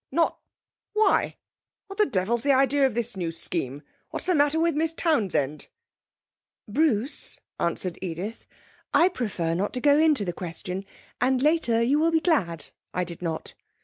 'Not Why? What the devil's the idea of this new scheme? What's the matter with Miss Townsend?' 'Bruce,' answered Edith, 'I prefer not to go into the question, and later you will be glad I did not.